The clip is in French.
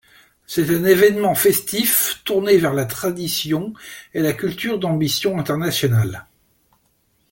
C'est un évènement festif tourné vers la tradition et la culture d'ambition internationale.